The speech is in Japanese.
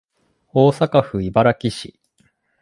大阪府茨木市